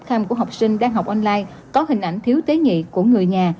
trang webcam của học sinh đang học online có hình ảnh thiếu tế nghị của người nhà